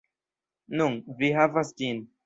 Nun, vi havas ĝin.